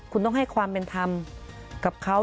คุณต้องให้ความเป็นธรรมกับเขา